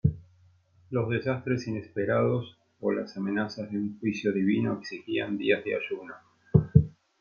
Los desastres inesperados o las amenazas de un juicio divino exigían días de ayuno.